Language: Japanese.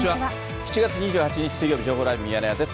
７月２８日水曜日、情報ライブミヤネ屋です。